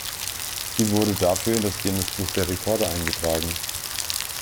Sie wurde dafür in das Guinness-Buch der Rekorde eingetragen.